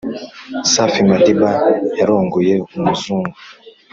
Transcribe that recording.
safi Madiba yarongoye umuzungu